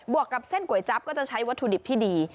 วกกับเส้นก๋วยจั๊บก็จะใช้วัตถุดิบที่ดี